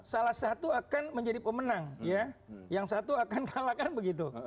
salah satu akan menjadi pemenang yang satu akan kalahkan begitu